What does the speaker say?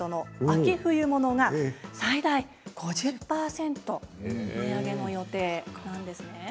秋冬物が最大５０％値上げの予定なんですね。